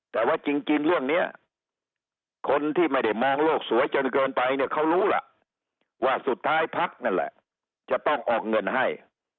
แต่ว่าจริงเรื่องนี้คนที่ไม่ได้มองโลกสวยจนเกินไปเนี่ยเขารู้ล่ะว่าสุดท้ายพักนั่นแหละจะต้องออกเงินให้